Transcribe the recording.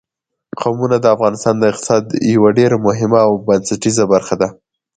قومونه د افغانستان د اقتصاد یوه ډېره مهمه او بنسټیزه برخه ده.